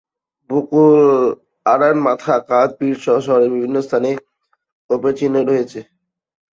বকুল আরার মাথা, কাঁধ, পিঠসহ শরীরের বিভিন্ন স্থানে কোপের চিহ্ন রয়েছে।